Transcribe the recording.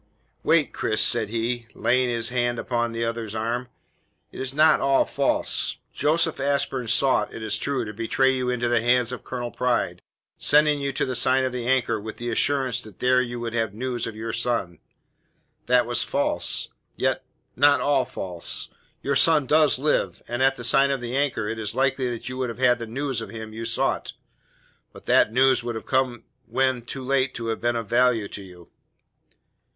"Wait, Cris," said he, laying his hand upon the other's arm. "It is not all false. Joseph Ashburn sought, it is true, to betray you into the hands of Colonel Pride, sending you to the sign of the Anchor with the assurance that there you should have news of your son. That was false; yet not all false. Your son does live, and at the sign of the Anchor it is likely you would have had the news of him you sought. But that news would have come when too late to have been of value to you."